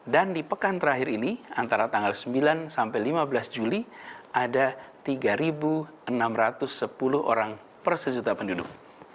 dan di pekan terakhir ini antara tanggal sembilan sampai lima belas juli ada tiga enam ratus sepuluh orang per sejuta penduduk